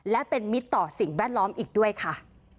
และเป็นมิตรต่อสิ่งแวดล้อมอีกด้วยค่ะ